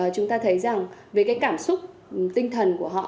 chúng ta thấy rằng về cái cảm xúc tinh thần của họ